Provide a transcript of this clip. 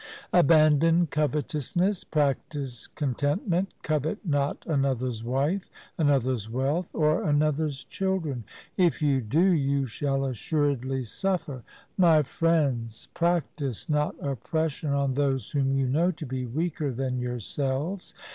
4 Abandon covetousness, practise contentment, covet not another's wife, another's wealth, or another's children. If you do, you shall assuredly suffer. My friends, practise not oppression on those whom you know to be weaker than yourselves.